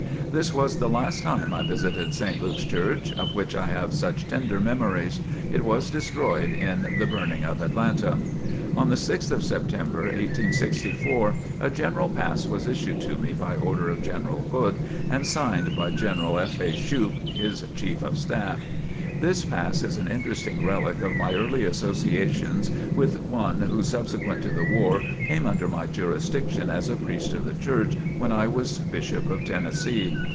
This was the last time I visited St. Luke's Church of which I have such tender memories. It was destroyed in the "burning of Atlanta." On the 6th of September, 1864, a general pass was issued to me by order of General Hood and signed by General F. A. Shoup, his Chief of Staff. This pass is an interesting relic of my early associations with one who subsequent to the war came under my jurisdiction as a priest of the Church when I was Bishop of Tennessee.